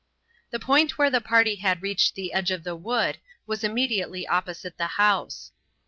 The point where the party had reached the edge of the wood was immediately opposite the house.